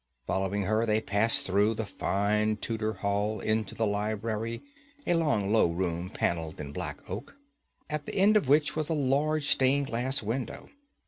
Following her, they passed through the fine Tudor hall into the library, a long, low room, panelled in black oak, at the end of which was a large stained glass window.